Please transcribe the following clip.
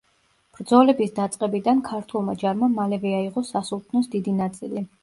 ბრძოლების დაწყებიდან ქართულმა ჯარმა მალევე აიღო სასულთნოს დიდი ნაწილი.